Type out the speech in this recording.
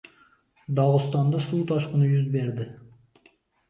Dog‘istonda suv toshqini yuz berdi